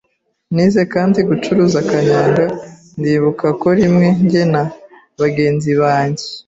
Nize kandi gucuruza kanyanga, ndibuka ko rimwe njye na bagenzi banjye